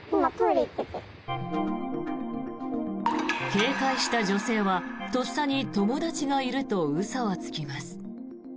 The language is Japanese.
警戒した女性はとっさに友達がいると嘘をつきます。